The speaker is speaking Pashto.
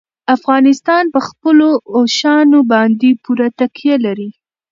افغانستان په خپلو اوښانو باندې پوره تکیه لري.